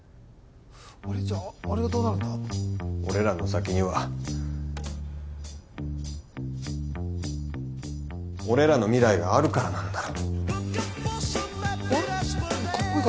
俺らの先には俺らの未来があるからなんだろ。